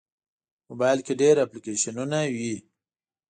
موبایل کې ډېر اپلیکیشنونه وي.